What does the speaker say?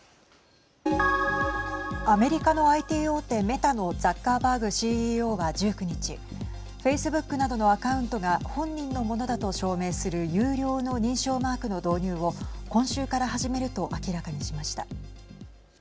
アメリカのＩＴ大手メタのザッカーバーグＣＥＯは１９日、フェイスブックなどのアカウントが本人のものだと証明する有料の認証マークの導入を今週から始めると明らかにしました。